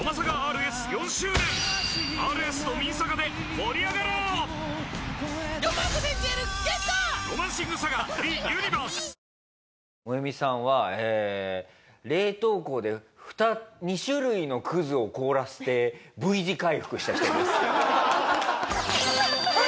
モエミさんはえー冷凍庫で２種類のくずを凍らせてＶ字回復した人です。